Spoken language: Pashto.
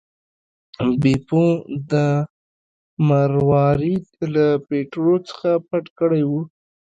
بیپو دا مروارید له پیټرو څخه پټ کړی و.